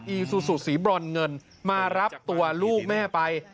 อซูซูสีบรอนเงินมารับตัวลูกแม่ไป